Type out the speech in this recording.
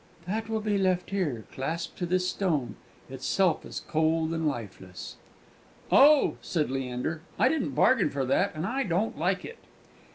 "That will be left here, clasped to this stone, itself as cold and lifeless." "Oh!" said Leander, "I didn't bargain for that, and I don't like it."